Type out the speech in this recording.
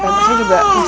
dengar dengar dengar